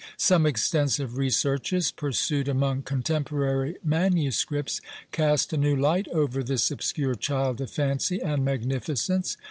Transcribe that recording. Some extensive researches, pursued among contemporary manuscripts, cast a new light over this obscure child of fancy and magnificence.